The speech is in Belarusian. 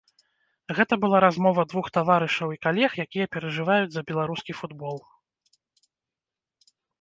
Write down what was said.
Гэта была размова двух таварышаў і калег, якія перажываюць за беларускі футбол.